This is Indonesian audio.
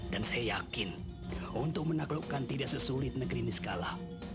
dan saya yakin untuk menaklukkan tidak sesulit negeri ini sekala